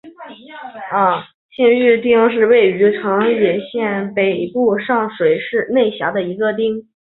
信浓町是位于长野县北部上水内郡的一町。